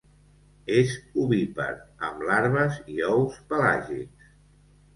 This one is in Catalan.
És ovípar amb larves i ous pelàgics.